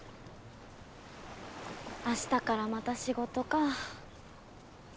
明日からまた仕事か。